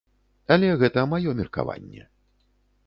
Але гэта маё меркаванне.